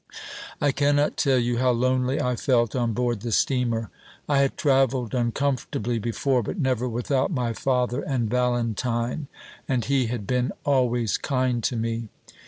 I cannot tell you how lonely I felt on board the steamer. I had travelled uncomfortably before, but never without my father and Valentine and he had been always kind to me.